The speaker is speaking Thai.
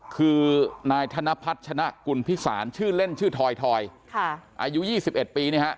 คือนายธนพัฒน์ชนะกุลพิษานชื่อเล่นชื่อถอยอายุ๒๑ปี